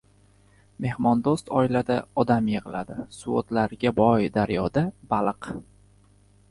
• Mehmondo‘st oilada odam yig‘iladi, suvo‘tlariga boy daryoda — baliq.